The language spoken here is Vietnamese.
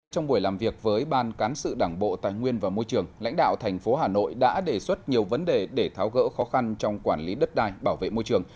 trong buổi làm việc với ban cán sự đảng bộ tài nguyên và môi trường lãnh đạo thành phố hà nội đã đề xuất nhiều vấn đề để tháo gỡ khó khăn trong quản lý đất đai bảo vệ môi trường